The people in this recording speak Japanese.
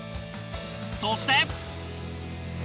そして。